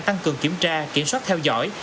tăng cường kiểm tra kiểm soát theo dõi